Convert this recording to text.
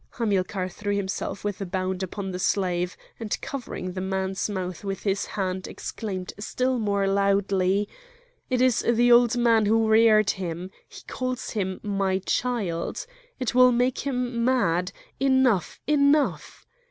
Hamilcar threw himself with a bound upon the slave, and covering the man's mouth with his hand exclaimed still more loudly: "It is the old man who reared him! he calls him 'my child!' it will make him mad! enough! enough!"